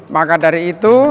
maka dari itu